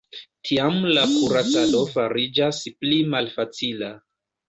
Tiam la kuracado fariĝas pli malfacila.